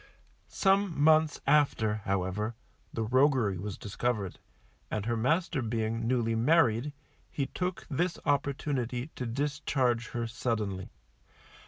Some months after, however, the roguery was discovered, and her master being newly married, he took this opportunity to discharge her suddenly.